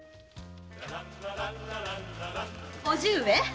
叔父上！